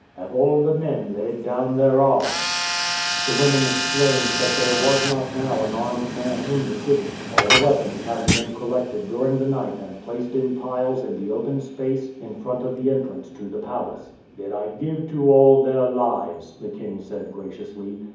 "Have all the men laid down their arms?" The women exclaimed that there was not now an armed man in the city, all the weapons having been collected during the night and placed in piles in the open space in front of the entrance to the palace. "Then I give to all their lives," the king said graciously.